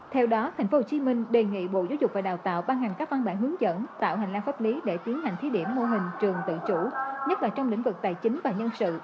theo đó thành phố hồ chí minh đề nghị bộ giáo dục và đào tạo ban hành các văn bản hướng dẫn tạo hành lan pháp lý để tiến hành thí điểm mô hình trường tự chủ nhất là trong lĩnh vực tài chính và nhân sự